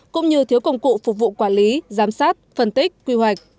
cũng như thiếu công cụ phục vụ quản lý giám sát phân tích quy hoạch